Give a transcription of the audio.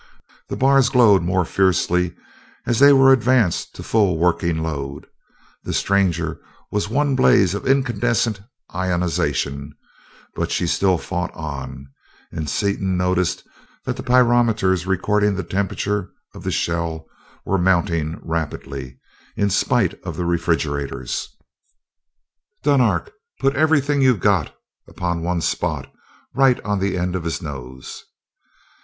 The bars glowed more fiercely as they were advanced to full working load the stranger was one blaze of incandescent ionization, but she still fought on; and Seaton noticed that the pyrometers recording the temperature of the shell were mounting rapidly, in spite of the refrigerators. "Dunark, put everything you've got upon one spot right on the end of his nose!"